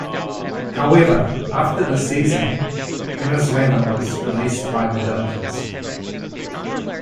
However, after the season, Valenzuela was released by the Dodgers.